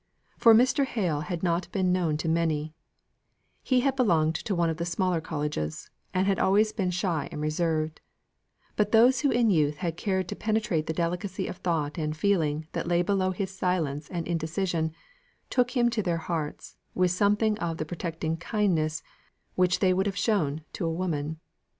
For Mr. Hale had not been known to many; he had belonged to one of the smaller colleges, and had always been shy and reserved; but those who in youth had cared to penetrate to the delicacy of thought and feeling that lay below his silence and indecision, took him to their hearts, with something of the protecting kindness which they would have shown to a woman.